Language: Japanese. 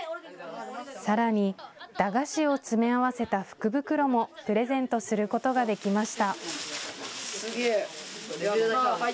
さらに駄菓子を詰め合わせた福袋もプレゼントすることができました。